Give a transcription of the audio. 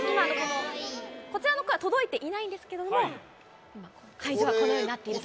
こちらの声は届いていないんですけれども、会場はこのようになっていると。